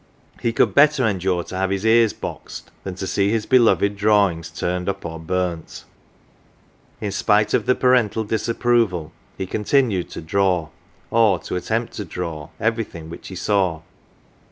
He could better endure to have his ears boxed than to see hi* beloved drawings torn up or burnt. In spite of the parental disapproval he continued to draw, or to attempt to draw, everything which he saw.